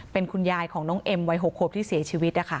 เป็นคุณยายของน้องเอ็มวัย๖ขวบที่เสียชีวิตนะคะ